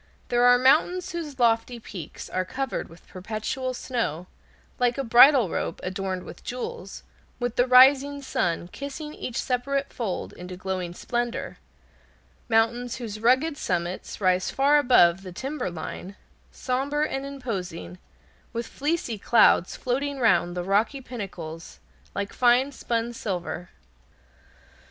There are mountains whose lofty peaks are covered with perpetual snow, like a bridal robe adorned with jewels, with the rising sun kissing each separate fold into glowing splendor; mountains whose rugged summits rise far above the timber line, somber and imposing, with fleecy clouds floating round the rocky pinnacles like fine spun silver.